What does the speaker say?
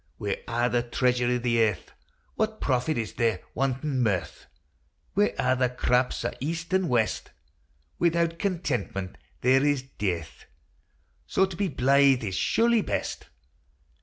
Wi' a' the treasure i' the earth What profit is there, wantin' mirth ? Wi' a' the craps o' east an' west, Without contentment there is dearth : So to be blythe is surely best.